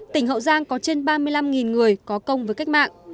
tỉnh hậu giang có trên ba mươi năm người có công với cách mạng